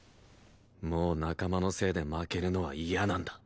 もう仲間のせいで負けるのは嫌なんだ。